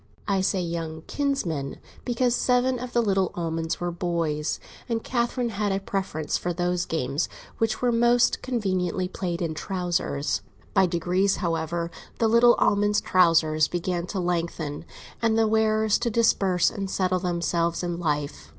I say young kinsmen, because seven of the little Almonds were boys, and Catherine had a preference for those games which are most conveniently played in trousers. By degrees, however, the little Almonds' trousers began to lengthen, and the wearers to disperse and settle themselves in life.